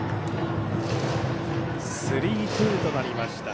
スリーツーとなりました。